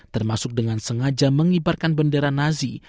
termasuk dengan sengaja mengibarkan bendera nazi